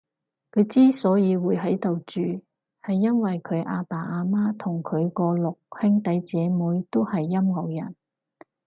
佢之所以會喺度住，係因為佢阿爸阿媽同佢個六兄弟姐妹都係音樂人